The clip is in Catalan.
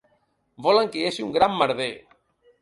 Volen que hi hagi un gran merder.